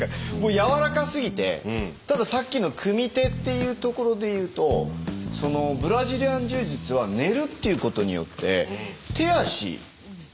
柔らかすぎてたださっきの組み手っていうところで言うとブラジリアン柔術は寝るっていうことによって手足全部の組み手になる。